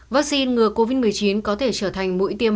vaccine ngừa covid một mươi chín có thể trở thành mũi tiêm